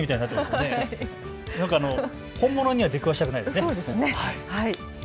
本物には出くわしたくないです。